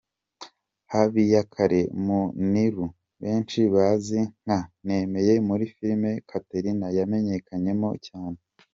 Habiyakare Muniru benshi bazi nka Nemeye muri filime Catherine yamenyekanyemo cyane.